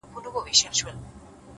د زړه روڼتیا د ژوند ښکلا زیاتوي،